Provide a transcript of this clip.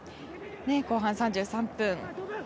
後半３３分。